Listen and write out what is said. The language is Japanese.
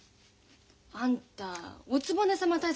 あんたおつぼね様対策